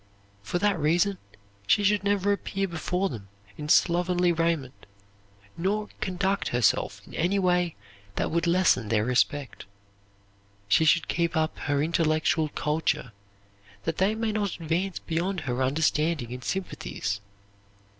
For that reason she should never appear before them in slovenly raiment, nor conduct herself in any way that would lessen their respect. She should keep up her intellectual culture that they may not advance beyond her understanding and sympathies.